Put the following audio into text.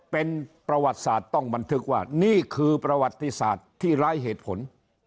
เป็นประวัติศาสตร์ต้องบันทึกว่านี่คือประวัติศาสตร์ที่ร้ายเหตุผล